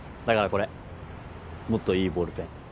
だからこれもっといいボールペン。